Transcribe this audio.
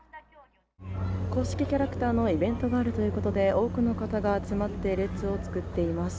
公式キャラクターのイベントがあるということで多くの方が集まって列を作っています。